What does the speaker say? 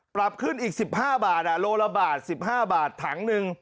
ปรับขึ้นอีก๑๕บาทโลละบาท๑๕บาทถังหนึ่ง